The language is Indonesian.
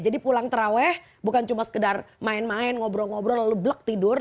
jadi pulang terawih bukan cuma sekedar main main ngobrol ngobrol lalu blak tidur